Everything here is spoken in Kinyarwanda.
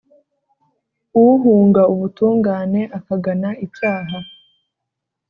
uhunga ubutungane akagana icyaha,